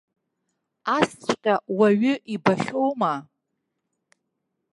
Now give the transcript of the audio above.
Асҵәҟьа уаҩы ибахьоума?!